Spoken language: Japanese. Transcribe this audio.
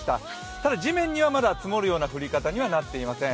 ただ地面にはまだ積もるような降り方にはなっていません。